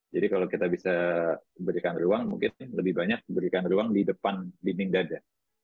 jadi kalau kita bisa berikan ruang mungkin lebih banyak berikan ruang di depan dinding dada